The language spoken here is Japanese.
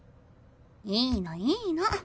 いいのいいの。